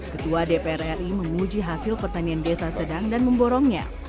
ketua dpr ri menguji hasil pertanian desa sedang dan memborongnya